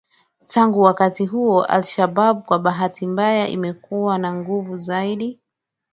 Tangu wakati huo alShabab kwa bahati mbaya imekuwa na nguvu zaidi